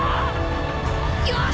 よし！